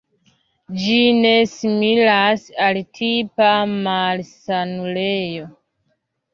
Ĝi ne similas al tipa malsanulejo.